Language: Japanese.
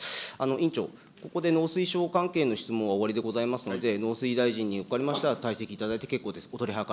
委員長、ここで農水関係の質問は終わりでございますので、農水大臣におかれましては退席いただいて結構です。